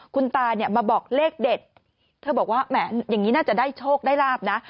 คุณตาเนี่ยมาบอกเลขเด็ดเธอบอกว่าแหมอย่างนี้น่าจะได้โชคได้ลาบนะ